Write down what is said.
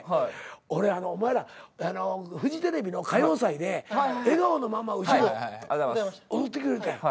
お前らフジテレビの『歌謡祭』で『笑顔のまんま』後ろ踊ってくれたやん。